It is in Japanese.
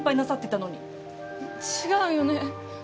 違うよね？